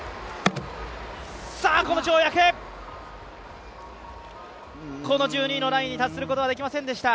この跳躍、この１２位のラインに達することはできませんでした。